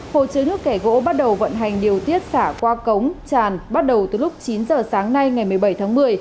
hồ chứa nước kẻ gỗ bắt đầu vận hành điều tiết xả qua cống tràn bắt đầu từ lúc chín giờ sáng nay ngày một mươi bảy tháng một mươi